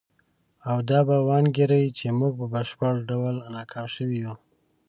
او دا به وانګیري چې موږ په بشپړ ډول ناکام شوي یو.